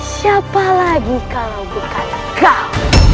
siapa lagi kalau bukan kau